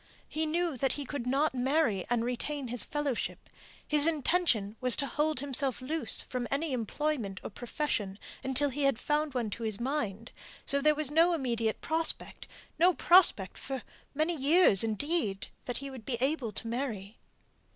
He knew that he could not marry and retain his fellowship; his intention was to hold himself loose from any employment or profession until he had found one to his mind, so there was no immediate prospect no prospect for many years, indeed, that he would be able to marry.